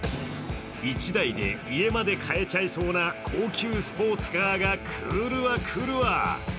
１台で家まで買えちゃいそうな高級スポーツカーが来るわ来るわ。